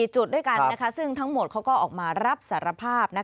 จุดด้วยกันซึ่งทั้งหมดเขาก็ออกมารับสารภาพ